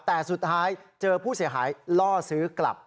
แต่สุดท้ายเจอผู้เสียหายล่อซื้อกลับ